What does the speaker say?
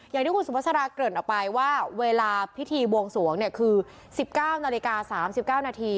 อย่างที่คุณสุภาษาเกริ่นออกไปว่าเวลาพิธีบวงสวงเนี่ยคือ๑๙นาฬิกา๓๙นาที